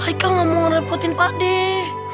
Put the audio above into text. haikal gak mau ngerepotin pak dea